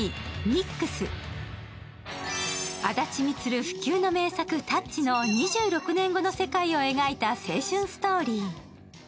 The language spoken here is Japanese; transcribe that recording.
あだち充不朽の名作「タッチ」の２６年後の世界を描いた青春ストーリー。